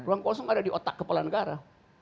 ruang kosong ada di otak kepala negara